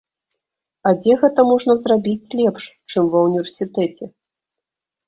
А дзе гэта можна зрабіць лепш, чым ва ўніверсітэце?